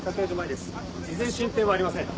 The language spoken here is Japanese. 依然進展はありません。